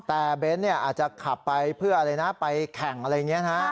แต่เบ้นอาจจะขับไปเพื่ออะไรนะไปแข่งอะไรอย่างนี้นะ